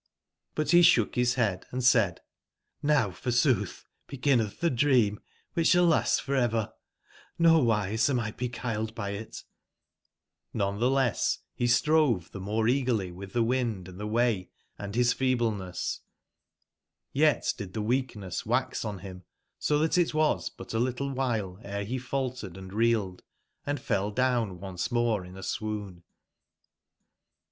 But be sbook bis bead and said: '']Nfow forsootb beginnetb tbe dream wbicb sball last for ever; nowise am 1 beguiled by it/' f^one tbe less be strove tbe more eagerly witb tbe wind, & tbe way, and bis feebleness; yet did tbe weakness wax on bim, so tbat itwas but a little wbile ere befaltered and reeled and fell down once more in a swoon.